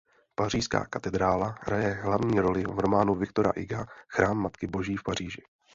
Pařížská katedrála hraje hlavní roli v románu Victora Huga "Chrám Matky Boží v Paříži".